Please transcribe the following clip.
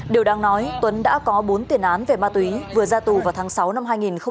điều đáng nói tuấn đã có bốn tiền án về ma túy vừa ra tù vào tháng sáu năm hai nghìn hai mươi ba